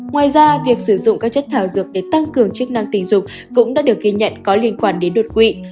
ngoài ra việc sử dụng các chất thảo dược để tăng cường chức năng tình dục cũng đã được ghi nhận có liên quan đến đột quỵ